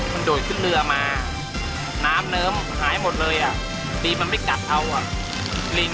มันโดดขึ้นเรือมาน้ำเนิ้มหายหมดเลยอ่ะตีมันไม่กัดเอาอ่ะลิง